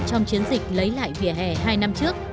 trong chiến dịch lấy lại vỉa hè hai năm trước